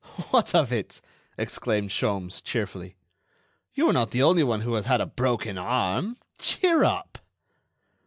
"What of it?" exclaimed Sholmes, cheerfully. "You are not the only one who has had a broken arm. Cheer up!"